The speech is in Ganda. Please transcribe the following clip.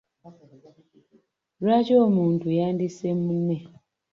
Lwaki omuntu yandisse munne?